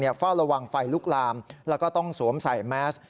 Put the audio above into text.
เฝ้าระวังไฟลุกลามแล้วก็ต้องสวมใส่แมส